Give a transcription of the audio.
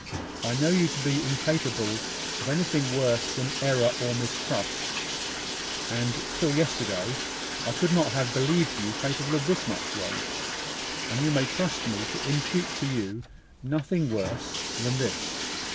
I know you to be incapable of anything worse than error and mistrust (and, till yesterday, I could not have believed you capable of this much wrong): and you may trust me to impute to you nothing worse than this.